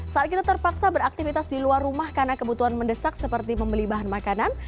saat kita terpaksa beraktivitas di luar rumah karena kebutuhan mendesak seperti membeli bahan makanan